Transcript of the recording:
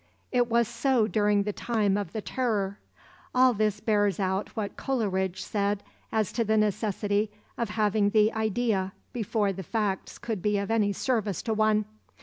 It was so during the time of the Terror. All this bears out what Coleridge said as to the necessity of having the idea before the facts could be of any service to one.